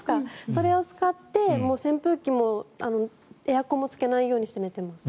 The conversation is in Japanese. それを使って扇風機もエアコンもつけないようにして寝ています。